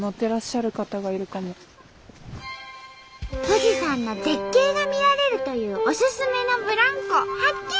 富士山の絶景が見られるというオススメのブランコ発見！